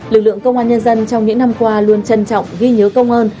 lực lượng công an nhân dân trong những năm qua luôn trân trọng ghi nhớ công ơn